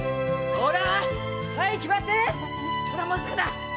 ほらもうすぐだ！